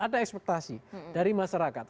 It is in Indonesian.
ada ekspektasi dari masyarakat